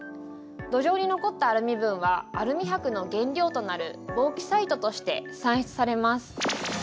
土壌に残ったアルミ分はアルミ箔の原料となるボーキサイトとして産出されます。